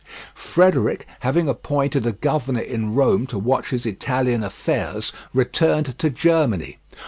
Frederick, having appointed a governor in Rome to watch his Italian affairs, returned to Germany.